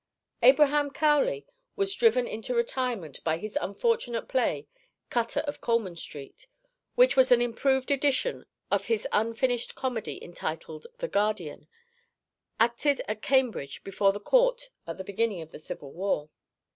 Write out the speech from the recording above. Abraham Cowley was driven into retirement by his unfortunate play Cutter of Coleman Street, which was an improved edition of his unfinished comedy entitled The Guardian, acted at Cambridge before the Court at the beginning of the Civil War.